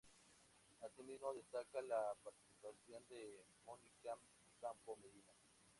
Así mismo, destaca la participación de Mónica Ocampo Medina.